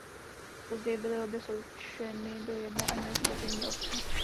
Později byly obě sloučeny do jedné administrativní obce.